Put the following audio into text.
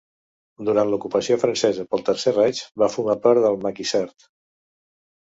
Durant l'ocupació francesa pel Tercer Reich va formar part del maquisard.